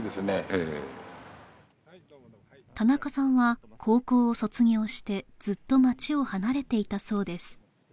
ええ田中さんは高校を卒業してずっと町を離れていたそうです